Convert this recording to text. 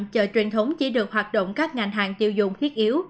chợ truyền thống chỉ được hoạt động các ngành hàng tiêu dùng thiết yếu